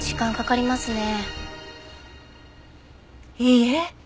いいえ。